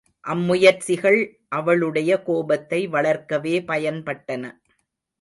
அம்முயற்சிகள் அவளுடைய கோபத்தை வளர்க்கவே பயன்பட்டன.